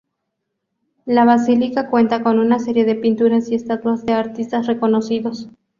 La basílica cuenta con una serie de pinturas y estatuas de artistas reconocidos.